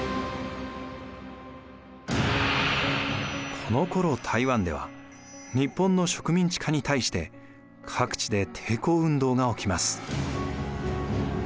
このころ台湾では日本の植民地化に対して各地で抵抗運動が起きます。